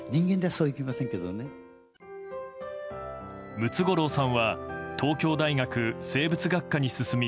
ムツゴロウさんは東京大学生物学科に進み